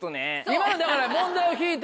今のはだから。